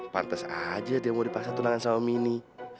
pantes aja dia mau dipaksa tulangan sama mini